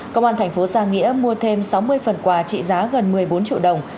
công an thành phố giang nghĩa mua thêm sáu mươi phần quà trị giá gần một mươi bốn triệu đồng